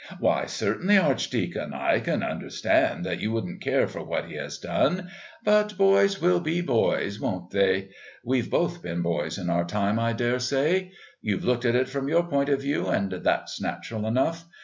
"Why, certainly, Archdeacon, I can understand that you wouldn't care for what he has done. But boys will be boys, won't they? We've both been boys in our time, I daresay. You've looked at it from your point of view, and that's natural enough.